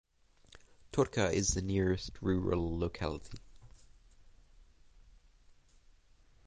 Turka is the nearest rural locality.